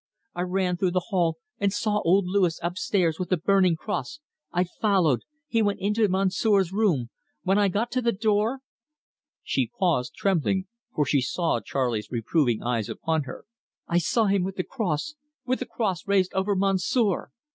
I ran through the hall and saw old Louis upstairs with the burning cross. I followed. He went into Monsieur's room. When I got to the door" she paused, trembling, for she saw Charley's reproving eyes upon her "I saw him with the cross with the cross raised over Monsieur."